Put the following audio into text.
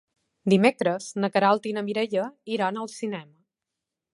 Dimecres na Queralt i na Mireia iran al cinema.